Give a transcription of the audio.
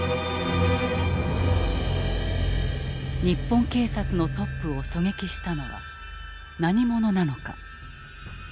日本警察のトップを狙撃したのは何者なのか？